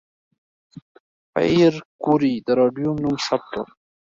پېیر کوري د راډیوم نوم ثبت کړ.